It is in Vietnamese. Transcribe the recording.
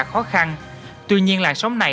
khó khăn tuy nhiên làn sóng này